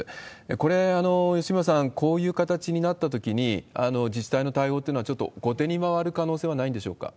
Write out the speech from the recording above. これ、吉村さん、こういう形になったときに、自治体の対応というのは、ちょっと後手に回る可能性はないんでしょうか？